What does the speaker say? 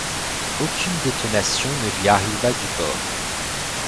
Aucune détonation ne lui arriva du bord.